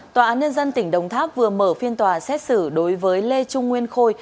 tòa án nhân dân tỉnh đồng tháp vừa mở phiên tòa xét xử đối với lê trung nguyên khôi